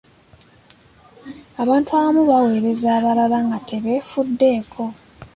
Abantu abamu baweereza abalala nga tebeefuddeko.